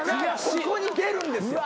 ここに出るんですよ。